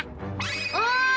おい！